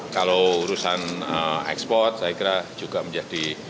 kalau urusan ekspor saya kira juga menjadi